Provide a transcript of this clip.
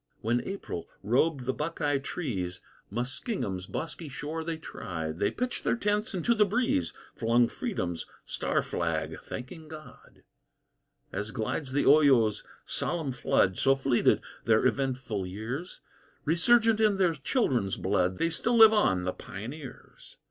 When April robed the Buckeye trees Muskingum's bosky shore they trod; They pitched their tents, and to the breeze Flung freedom's star flag, thanking God. As glides the Oyo's solemn flood, So fleeted their eventful years; Resurgent in their children's blood, They still live on the Pioneers.